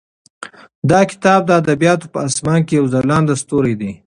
دا کتاب د ادبیاتو په اسمان کې یو ځلانده ستوری دی.